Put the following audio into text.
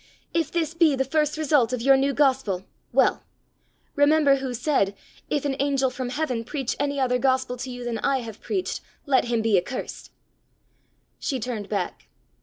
If this be the first result of your new gospel well! Remember who said, 'If an angel from heaven preach any other gospel to you than I have preached, let him be accursed!'" She turned back.